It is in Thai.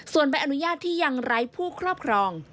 ส่วนใบอนุญาตที่ยังไร้ผู้ครอบครอง